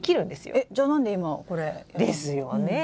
えっじゃあ何で今これ。ですよねえ！